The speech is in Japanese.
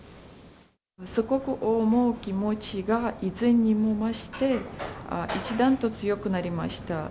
祖国を思う気持ちが、以前にも増して、一段と強くなりました。